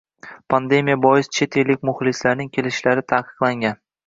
Pandemiya bois, chet ellik muxlislarning kelishlari taqiqlangan.